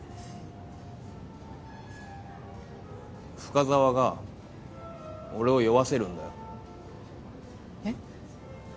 深沢が俺を酔わせるんだよえっ？